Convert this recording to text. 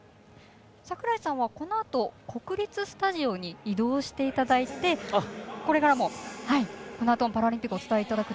櫻井さんはこのあと、国立スタジオに移動していただいてこのあともパラリンピックお伝えいただくと。